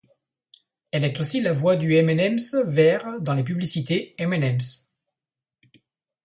Elle est aussi la voix du M&M's vert dans les publicités M&M's.